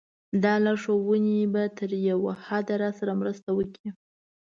دا لارښوونې به تر یوه حده راسره مرسته وکړي.